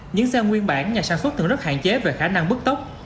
những xe nguyên bản nhà sản xuất thường rất hạn chế về khả năng bức tốc